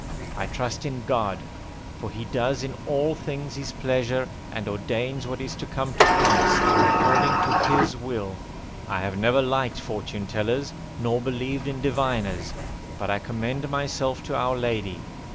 I trust in God, for He does in all things His pleasure, and ordains what is to come to pass, according to His will. I have never liked fortune tellers, nor believed in diviners; but I commend myself to our Lady.